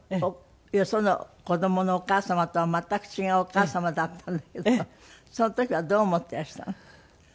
その子供のお母様とは全く違うお母様だったんですけどその時はどう思っていらしたの？